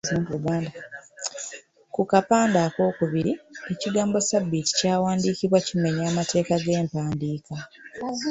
Ku kapande akookubiri, ekigambo ‘sabiiti’ kyawandiikibwa kimenya amateeka g’empandiika.